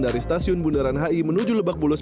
dari stasiun bundaran hi menuju lebak bulus